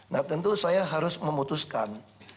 nah tentu saya harus memutuskan